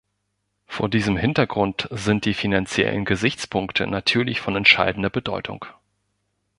Vor diesem Hintergrund sind die finanziellen Gesichtspunkte natürlich von entscheidender Bedeutung.